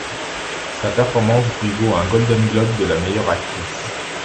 Sa performance lui vaut un Golden Globe de la meilleure actrice.